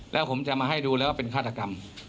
แล้วผมจะมาให้ดูแล้วว่าเป็นฆาตกรรม